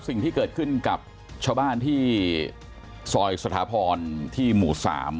สิ่งที่เกิดขึ้นกับชาวบ้านที่ซอยสถาพรที่หมู่๓